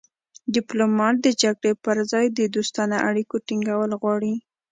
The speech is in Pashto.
ډیپلومات د جګړې پر ځای د دوستانه اړیکو ټینګول غواړي